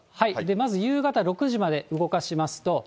まず夕方６時まで動かしますと。